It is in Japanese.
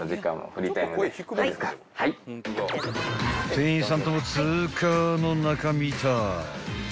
［店員さんともツーカーの仲みたい］